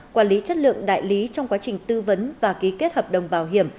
quản lý chất lượng đại lý trong quá trình tư vấn và ký kết hợp đồng bảo hiểm